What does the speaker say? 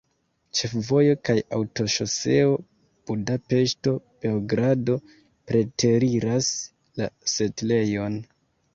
Ĉefvojo kaj aŭtoŝoseo Budapeŝto-Beogrado preteriras la setlejon.